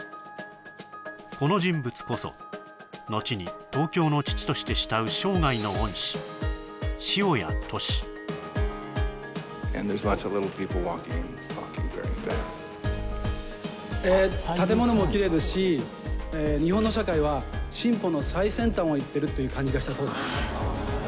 この人物こそのちに東京の父として慕うえ建物もキレイですし日本の社会は進歩の最先端をいってるという感じがしたそうです